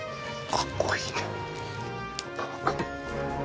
かっこいい。